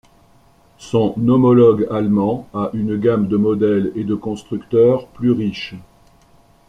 Son homologue allemand a une gamme de modèles et de constructeurs plus riche.